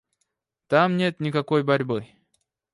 Там нет никакой борьбы.